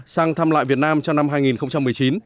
sang thăm lại việt nam trong năm hai nghìn một mươi chín